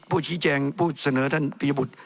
พูดชี้แจงพูดเสนอท่านพี่บุตร